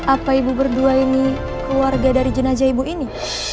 apa ibu berdua ini keluarga dari jenajah ibu ini